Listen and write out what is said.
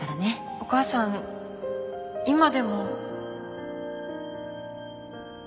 お母さん今でも。